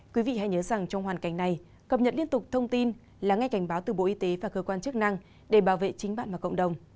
quý vị hãy nhớ rằng trong hoàn cảnh này cập nhật liên tục thông tin lắng nghe cảnh báo từ bộ y tế và cơ quan chức năng để bảo vệ chính bạn và cộng đồng